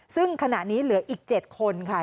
ซึ่งขณะนี้เหลืออีก๗คนค่ะ